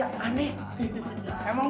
apakah itu untuk lelaki vaughn